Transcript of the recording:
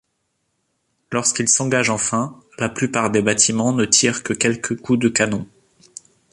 Lorsqu'ils s'engagent enfin, la plupart des bâtiments ne tirent que quelques coups de canons.